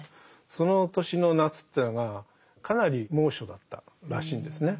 その年の夏というのがかなり猛暑だったらしいんですね。